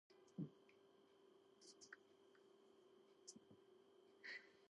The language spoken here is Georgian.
კერესელიძეს გააჩნდა თბილისში ჯაზური მუსიკის ერთ-ერთი ყველაზე დიდი კოლექცია.